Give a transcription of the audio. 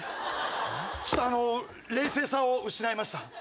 ちょっと冷静さを失いました。